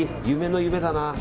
夢の夢だな。